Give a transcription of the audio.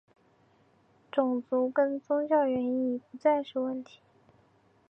种族跟宗教原因已不再是问题。